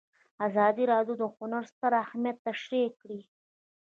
ازادي راډیو د هنر ستر اهميت تشریح کړی.